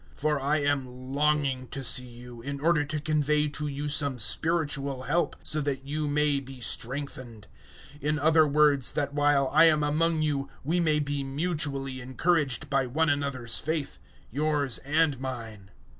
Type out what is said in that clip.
001:011 For I am longing to see you, in order to convey to you some spiritual help, so that you may be strengthened; 001:012 in other words that while I am among you we may be mutually encouraged by one another's faith, yours and mine.